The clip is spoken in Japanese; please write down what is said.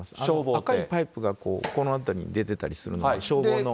赤いパイプがこの辺りに出てたりするんで、消防の。